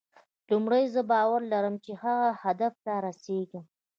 لومړی زه باور لرم چې هغه هدف ته رسېږم.